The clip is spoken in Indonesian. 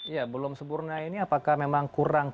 ya belum sempurna ini apakah memang kurang